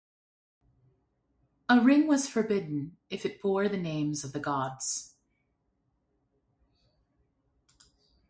A ring was forbidden if it bore the names of the gods.